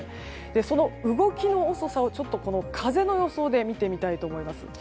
その動きの遅さを、風の予想で見ていきたいと思います。